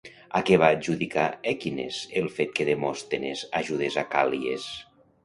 A què va adjudicar Èsquines el fet que Demòstenes ajudés a Càl·lies?